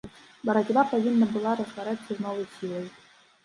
Барацьба павінна была разгарэцца з новай сілай.